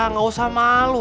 nggak usah malu